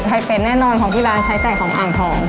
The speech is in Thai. เป็ดแน่นอนของที่ร้านใช้ไก่ของอ่างทอง